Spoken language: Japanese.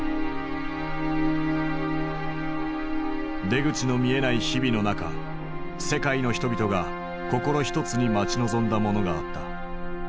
出口の見えない日々の中世界の人々が心ひとつに待ち望んだものがあった。